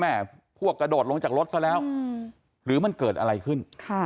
พวกกระโดดลงจากรถซะแล้วหรือมันเกิดอะไรขึ้น